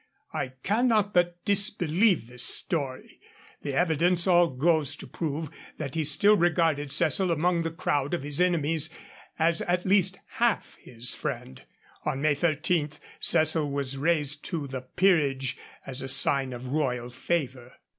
I cannot but disbelieve this story; the evidence all goes to prove that he still regarded Cecil, among the crowd of his enemies, as at least half his friend. On May 13, Cecil was raised to the peerage, as a sign of royal favour.